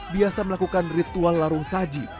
biasa melakukan ritual larung saji